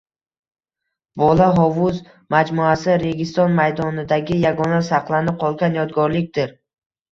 Bola Hovuz majmuasi - Registon maydonidagi yagona saqlanib qolgan yodgorlikdir